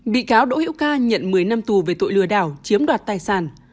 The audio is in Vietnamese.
bị cáo đỗ hiễu ca nhận một mươi năm tù về tội lừa đảo chiếm đoạt tài sản